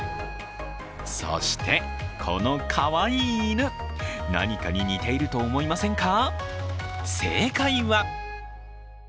そして、このかわいい犬、何かに似ていると思いませんか？